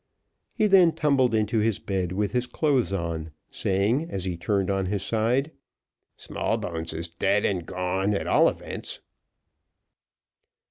He then tumbled into his bed with his clothes on, saying, as he turned on his side, "Smallbones is dead and gone, at all events."